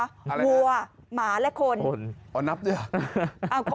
อะไรนะวัวหมาและคนคนอ๋อนับด้วยหรออ๋อ